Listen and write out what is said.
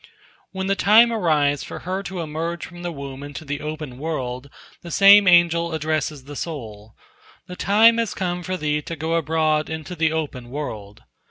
When the time arrives for her to emerge from the womb into the open world, the same angel addresses the soul, "The time has come for thee to go abroad into the open world."